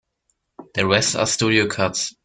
The rest are studio cuts.